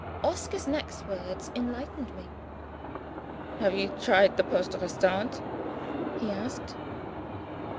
Oscar's next words enlightened me. "Have you tried the Poste Restante?" he asked.